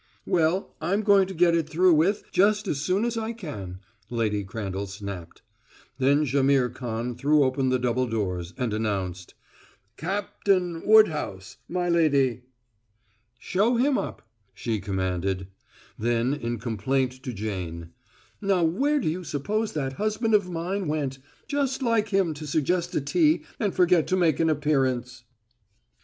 "Well, I'm going to get it through with just as soon as I can," Lady Crandall snapped. Then Jaimihr Khan threw open the double doors and announced: "Cap tain Wood house, my lady!" "Show him up!" she commanded; then in complaint to Jane: "Now where do you suppose that husband of mine went? Just like him to suggest a tea and forget to make an appearance."